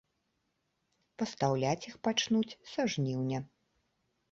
Пастаўляць іх пачнуць са жніўня.